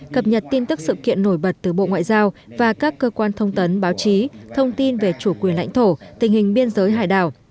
cập nhật tin tức sự kiện nổi bật từ bộ ngoại giao và các cơ quan thông tấn báo chí thông tin về chủ quyền lãnh thổ tình hình biên giới hải đảo